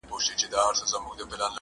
د زړه كاڼى مــي پــر لاره دى لــوېـدلى.